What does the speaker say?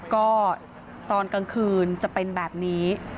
ก็ตอนกลางคืนจะเป็นแบบนี้